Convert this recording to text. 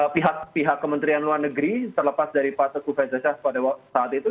pihak pihak kementerian luar negeri terlepas dari pak seku faisal shah pada saat itu